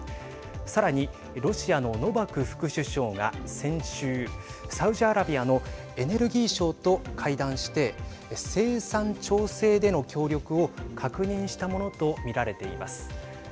さらに、ロシアのノバク副首相が先週、サウジアラビアのエネルギー相と会談して生産調整での協力を確認したものと見られています。